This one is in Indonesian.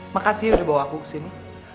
makasih udah bawa aku kesini